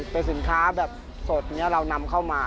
เป็นสินค้าแบบสดอย่างนี้เรานำเข้ามา